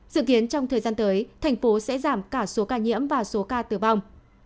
dự kiến trong thời gian tới thành phố sẽ giảm cả số ca nhiễm và số ca tử vong